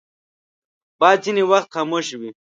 باد ځینې وخت خاموش وي